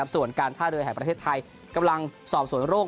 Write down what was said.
ส่วนการท่าเรือแห่งประเทศไทยกำลังสอบสวนโรค